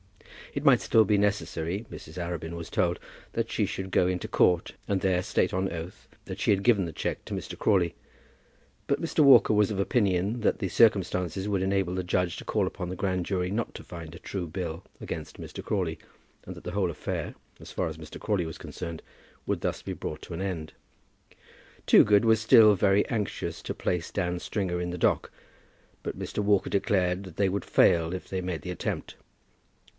It might still be necessary, Mrs. Arabin was told, that she should go into court, and there state on oath that she had given the cheque to Mr. Crawley; but Mr. Walker was of opinion that the circumstances would enable the judge to call upon the grand jury not to find a true bill against Mr. Crawley, and that the whole affair, as far as Mr. Crawley was concerned, would thus be brought to an end. Toogood was still very anxious to place Dan Stringer in the dock, but Mr. Walker declared that they would fail if they made the attempt.